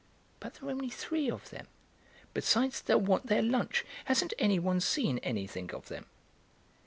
'" "But there are only three of them. Besides, they'll want their lunch. Hasn't anyone seen anything of them?"